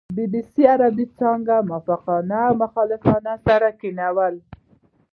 بي بي سي عربې څانګې موافقان او مخالفان سره کېنول.